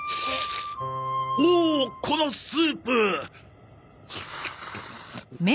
おおっこのスープ！